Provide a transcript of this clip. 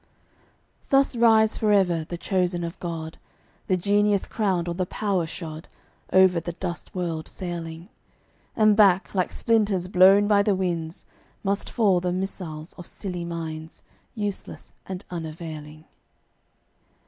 Thus rise forever the chosen of God, The genius crowned or the power shod, Over the dust world sailing; And back, like splinters blown by the winds, Must fall the missiles of silly minds, Useless and unavailing.